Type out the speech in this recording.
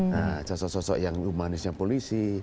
nah sosok sosok yang umum manisnya polisi